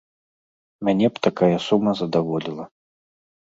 Мяне б такая сума задаволіла.